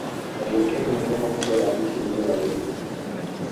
Walioteka maeneo makubwa ya nchi yenyewe ya Urusi